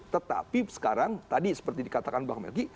tetapi sekarang tadi seperti dikatakan bang melki